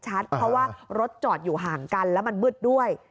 เพราะว่ารถจอดอยู่ห่างกันแล้วมันมืดด้วย